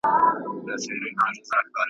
زما آواز که در رسیږي ,